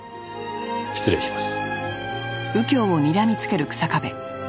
失礼します。